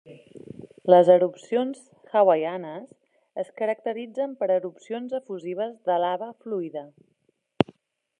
Les erupcions hawaianes es caracteritzen per erupcions efusives de lava fluida.